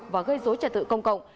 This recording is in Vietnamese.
và gây dối trật tự công cộng